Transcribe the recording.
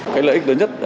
cái lợi ích lớn nhất là